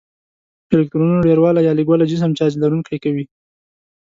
الکترونونو ډیروالی یا لږوالی جسم چارج لرونکی کوي.